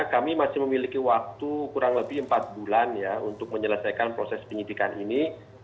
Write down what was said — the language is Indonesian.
kami masih memiliki waktu kurang lebih empat bulan ya untuk menyelesaikan proses penyidikan ini